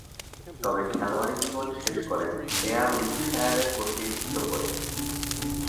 তবে খেলোয়াড়ী জীবন শেষ করেন ওয়ারউইকশায়ারের প্রতিনিধিত্ব করে।